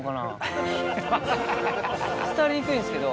伝わりにくいんですけど。